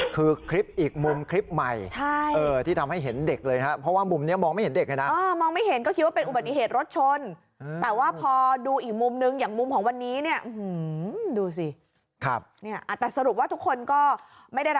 คือคลิปอีกมุมคลิปใหม่ใช่ที่ทำให้เห็นเด็กเลยฮะ